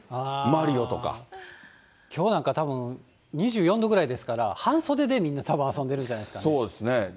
きょうなんかたぶん、２４度ぐらいですから、半袖でみんな、たぶん、遊んでるんじゃないんでそうですね。